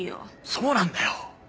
そうなんだよ！